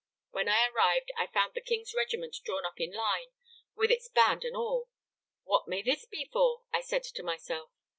When I arrived I found the King's regiment drawn up in line, with its band and all! 'What may this be for?' I said to myself.